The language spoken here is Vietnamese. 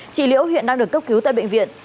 chị liễu hiện đang được cấp cứu tại bệnh viện